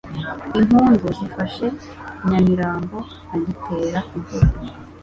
Impundu zifashe Nyamirambo ntagitera imvura,